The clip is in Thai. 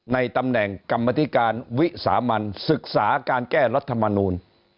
ในตำแหน่งกรรมธิการวิสามันศึกษาการแก้รัฐมนูล